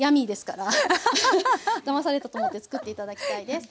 だまされたと思って作って頂きたいです。